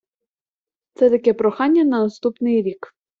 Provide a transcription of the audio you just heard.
Це таке прохання на наступний рік.